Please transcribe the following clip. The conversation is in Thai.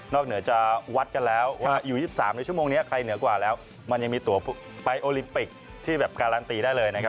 เหนือจะวัดกันแล้วว่าอยู่๒๓ในชั่วโมงนี้ใครเหนือกว่าแล้วมันยังมีตัวไปโอลิมปิกที่แบบการันตีได้เลยนะครับ